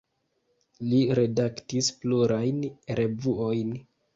Li redaktis plurajn revuojn.